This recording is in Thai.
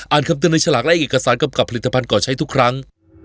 คำเตือนในฉลากและเอกสารกำกับผลิตภัณฑ์ก่อใช้ทุกครั้ง